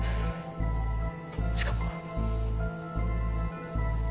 しかも。